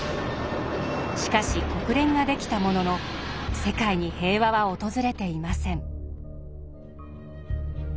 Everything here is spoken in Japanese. しかし国連が出来たものの世界に平和は訪れていません。